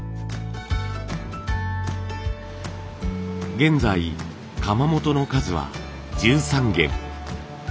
現在窯元の数は１３軒。